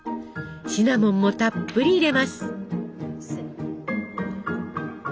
シナモンもたっぷり入れます。